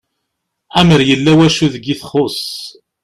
Amer yella wacu deg i txuss